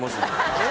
えっ？